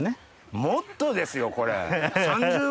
もっとですよこれ。